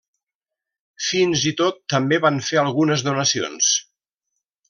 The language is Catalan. Fins i tot també van fer algunes donacions.